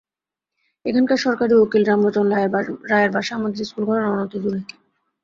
এখানকার সরকারি উকিল রামলোচন রায়ের বাসা আমাদের স্কুলঘরের অনতিদূরে।